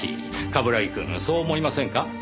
冠城くんそう思いませんか？